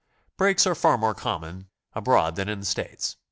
Brakes are far more common abroad than in the States.